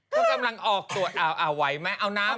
เขากำลังออกตรวจเอาไว้ไหมเอาน้ำกันดิ